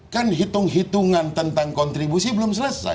kan hitung hitungan tentang kontribusi belum selesai